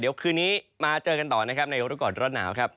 เดี๋ยวคืนนี้มาเจอกันต่อนะครับในรู้ก่อนร้อนหนาวครับ